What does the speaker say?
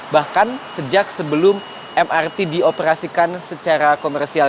bahkan sejak sebelum mrt dioperasikan secara komersial